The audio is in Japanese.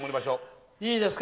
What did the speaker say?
いいですか？